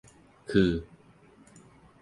คือ